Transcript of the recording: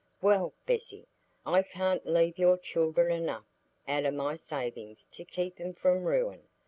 "Well, Bessy, I can't leave your children enough out o' my savings to keep 'em from ruin.